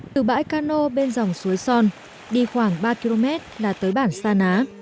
từ bãi cano bên dòng suối son đi khoảng ba km là tới bản sa ná